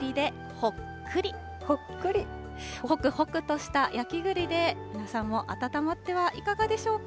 ほくほくとした焼きぐりで皆さんも温まってはいかがでしょうか。